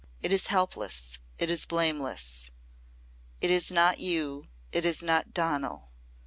It is helpless it is blameless. It is not you it is not Donal.